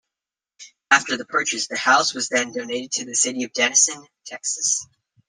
After the purchase, the house was then donated to the city of Denison, Texas.